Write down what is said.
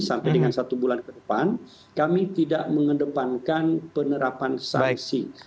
sampai dengan satu bulan ke depan kami tidak mengedepankan penerapan sanksi